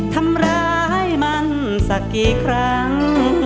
ทำร้ายมันสักกี่ครั้ง